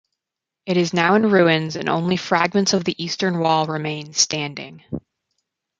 It is now in ruins and only fragments of the eastern wall remain standing.